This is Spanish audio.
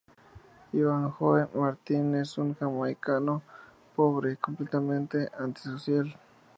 Ivanhoe Martin es un Jamaicano pobre, completamente antisocial.